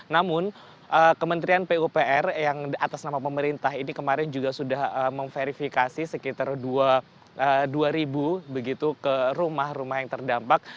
namun kementerian pupr yang atas nama pemerintah ini kemarin juga sudah memverifikasi sekitar dua ribu begitu ke rumah rumah yang terdampak